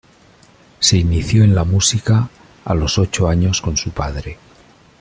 Se inició en la música a los ocho años con su padre.